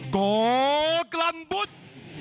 ก่อกลั่นบุตร